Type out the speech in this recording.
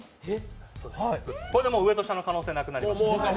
これで上と下の可能性なくなりました。